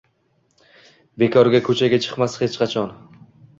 Bekorga ko‘chaga chiqmas hech qachon